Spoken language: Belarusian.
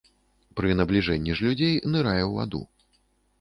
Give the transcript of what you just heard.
Пры набліжэнні ж людзей нырае ў ваду.